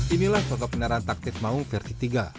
inilah sosok peneran taktis maung versi tiga